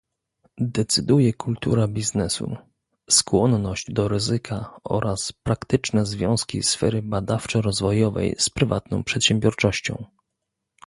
Decyduje kultura biznesu, skłonność do ryzyka oraz praktyczne związki sfery badawczo-rozwojowej z prywatną przedsiębiorczością